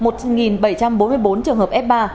một bảy trăm bốn mươi bốn trường hợp f ba